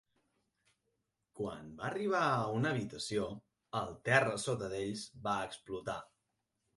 Quan van arribar a una habitació, el terra sota d'ells va explotar.